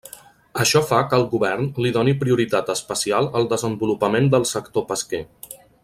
Això fa que el govern li doni prioritat especial al desenvolupament del sector pesquer.